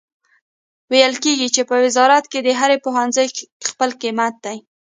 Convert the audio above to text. ویل کیږي چې په وزارت کې د هر پوهنځي خپل قیمت دی